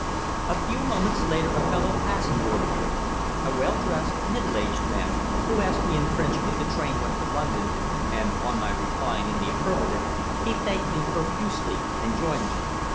A few moments later a fellow passenger appeared, a well dressed, middle aged man, who asked me in French if the train went to London, and on my replying in the affirmative, he thanked me profusely and joined me.